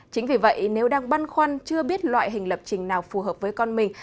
chính vì vậy nếu đang băn khoăn chưa biết loại hình lập trình nào phù hợp với con mình